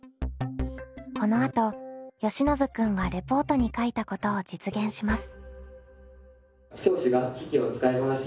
このあとよしのぶ君はレポートに書いたことを実現します。